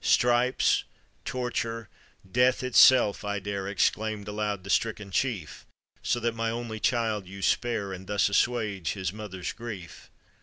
"Stripes, torture, death itself I dare," Exclaimed aloud the stricken chief, " So that my only child you spare, And thus assuage his mother's grief."